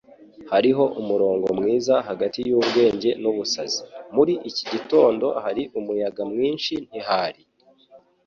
Hariho umurongo mwiza hagati yubwenge nubusazi. Muri iki gitondo hari umuyaga mwinshi, ntihari?